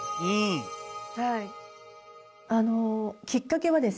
あのきっかけはですね